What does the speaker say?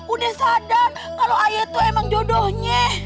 udah sadar kalau saya itu emang jodohnya